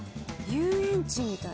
遊園地みたい。